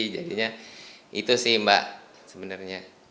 jadinya itu sih mbak sebenarnya